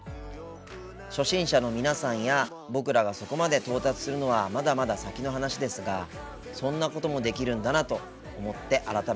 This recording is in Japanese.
初心者の皆さんや僕らがそこまで到達するのはまだまだ先の話ですがそんなこともできるんだなと思って改めて驚きました。